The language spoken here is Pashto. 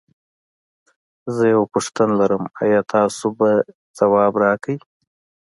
زه یوه پوښتنه لرم ایا تاسو به ځواب راکړی؟